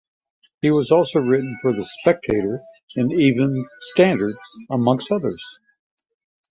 He has also written for "The Spectator" and "Evening Standard" amongst others.